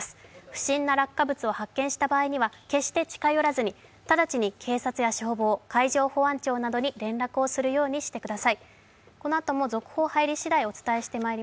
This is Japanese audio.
不審な落下物を発見した場合には決して近寄らずに直ちに警察や消防、海上保安庁などに連絡をするようにしてください。